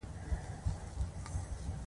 د جلال اباد ښار ډیر ګرم دی